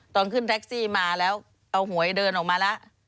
ตอนขึ้นแท็กซี่มาแล้วเอาหวยเดินออกมาแล้ว